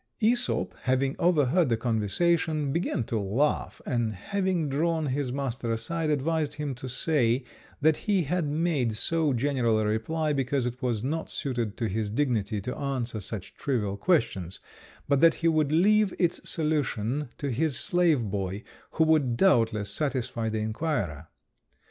Æsop having overheard the conversation, began to laugh, and having drawn his master aside, advised him to say that he had made so general a reply because it was not suited to his dignity to answer such trivial questions, but that he would leave its solution to his slave boy, who would doubtless satisfy the inquirer.